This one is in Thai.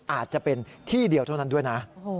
อาจจะเป็นที่เดียวเท่านั้นด้วยนะ